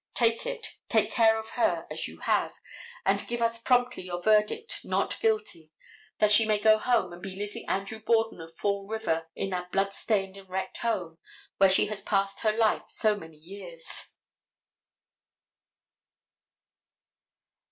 Take it: take care of her as you have, and give us promptly your verdict not guilty, that she may go home and be Lizzie Andrew Borden of Fall River in that blood stained and wrecked home where she has passed her life so many years.